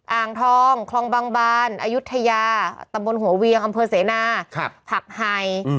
อ่างทองคลองบางบานอายุทยาตำบลหัวเวียงอำเภอเสนาผักไห่